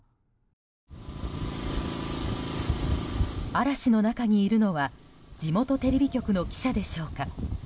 嵐の中にいるのは地元テレビ局の記者でしょうか。